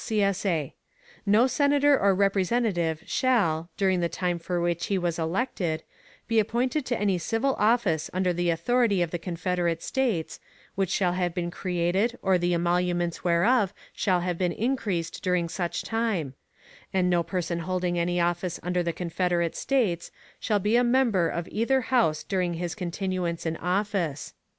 [CSA] No Senator or Representative shall, during the time for which he was elected, be appointed to any civil office under the authority of the Confederate States, which shall have been created, or the emoluments whereof shall have been increased during such time; and no person holding any office under the Confederate States, shall be a member of either House during his continuance in office.